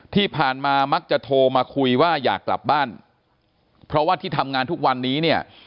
ที่ผ่านมามักจะโทรมาคุยว่าอยากกลับบ้านเพราะว่าที่ทำงานทุกวันนี้เนี่ย